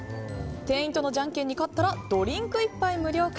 店員とのジャンケンに勝ったらドリンク１杯無料か。